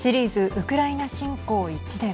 ウクライナ侵攻１年。